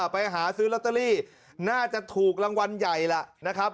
ไปหาซื้อลอตเตอรี่น่าจะถูกรางวัลใหญ่ล่ะนะครับ